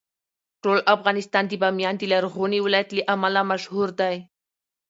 ټول افغانستان د بامیان د لرغوني ولایت له امله مشهور دی.